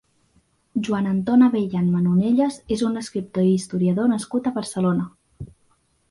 Joan Anton Abellán Manonellas és un escriptor i historiador nascut a Barcelona.